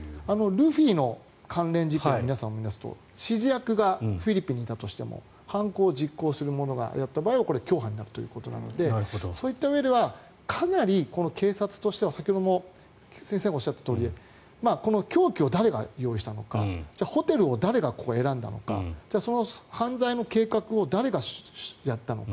ルフィの関連事件を見ますと指示役がフィリピンにいたとしても犯行を実行する者がやった場合は共犯になるのでかなり、警察としても先ほど亀井先生がおっしゃったとおり凶器を誰が用意したのかホテルを誰が選んだのか犯罪の計画を誰がやったのか。